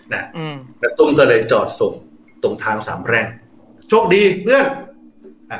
อืมแล้วตุ้มก็เลยจอดส่งตรงทางสามแพร่งโชคดีเพื่อนอ่า